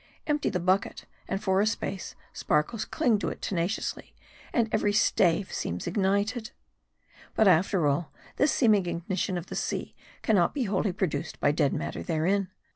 Empty the bucket, and for a space sparkles cling to it tenaciously ; and every stave seems ignited. But after all, this seeming ignition of the sea can not be wholly produced by dead matter therein.